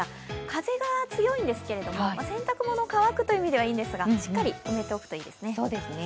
風が強いんですけれども、お洗濯物が乾くという意味ではいいんですが、しっかり止めておくといいですね。